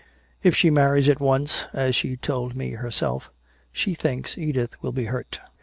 If she marries at once, as she told me herself, she thinks Edith will be hurt.